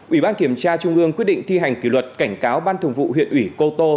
ủy ban kiểm tra trung ương quyết định thi hành kỷ luật cảnh cáo ban thường vụ huyện ủy cô tô